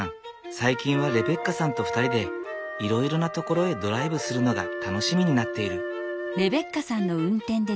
最近はレベッカさんと２人でいろいろな所へドライブするのが楽しみになっている。